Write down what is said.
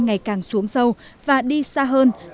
ngày càng xuống sâu và đi xa hơn